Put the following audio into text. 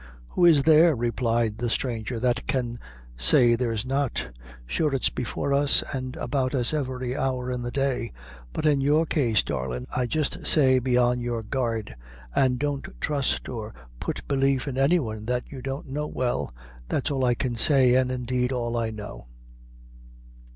"Who is there," replied the stranger, "that can say there's not? Sure it's before us and about us every hour in the day; but in your case, darlin', I jist say, be on your guard, an' don't trust or put belief in any one that you don't know well. That's all I can say, an' indeed all I know."